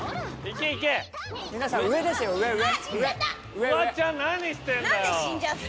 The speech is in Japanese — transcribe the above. フワちゃん何してんだよ。